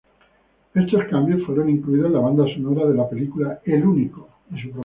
Estos cambios fueron incluidos en la banda sonora de la película "El único".